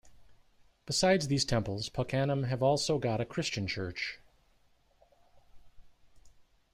Besides these temples Punkunnam have also got a Christian church.